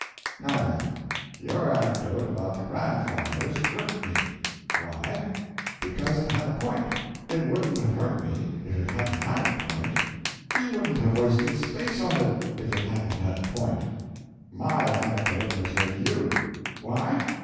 Now, then, your anecdote about the grandfathers hurt me. Why? Because it had a point. It wouldn't have hurt me if it hadn't had point. You wouldn't have wasted space on it if it hadn't had point. My anecdote has hurt you. Why?